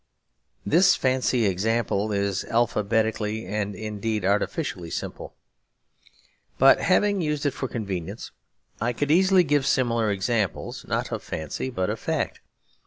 This fancy example is alphabetically and indeed artificially simple; but, having used it for convenience, I could easily give similar examples not of fancy but of fact.